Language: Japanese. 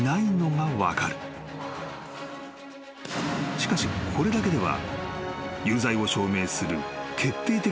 ［しかしこれだけでは］